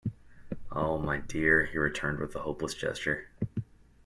"Oh, my dear," he returned with a hopeless gesture.